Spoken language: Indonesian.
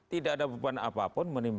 tidak ada beban apapun